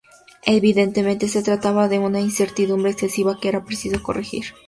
Evidentemente, se trataba de una incertidumbre excesiva que era preciso corregir.